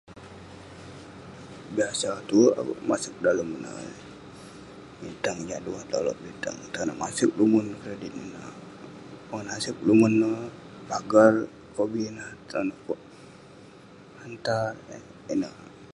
biasa tuwerk akouk masek dalem neh, bitang jah duwah tolouk, bitang..tau ineh, masek numon kredit ineh..pongah nasek numon neh, pagar kobi neh. Tawu ineh kok hantar eh..ineh.